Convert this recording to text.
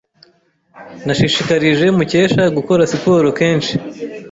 Nashishikarije Mukesha gukora siporo kenshi.